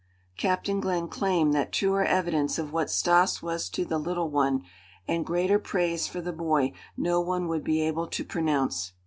Captain Glenn claimed that truer evidence of what Stas was to the little one and greater praise for the boy no one would be able to pronounce.